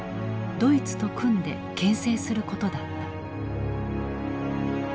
ドイツと組んで牽制することだった。